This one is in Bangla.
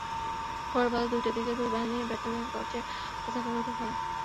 পরে বেলা দুইটার দিকে দুই বাহিনীর ব্যাটালিয়ন পর্যায়ে পতাকা বৈঠক হয়।